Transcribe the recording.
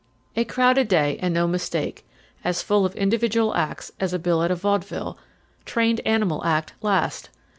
A crowded day, and no mistake, as full of individual acts as a bill at a vaudeville, trained animal act last.